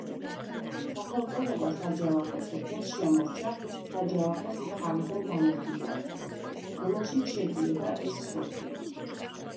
სახელწოდება საჯავახო სოფელს შემორჩა საჯავახოს მხარიდან გამომდინარე, რომელშიც შედიოდა ეს სოფელი.